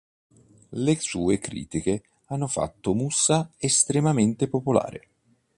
Le sue critiche hanno fatto Moussa estremamente popolare.